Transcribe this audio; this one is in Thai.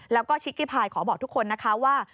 แล้วก็ชิกกี้พายขอบอกทุกคนนะคะว่า